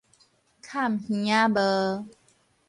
崁耳仔帽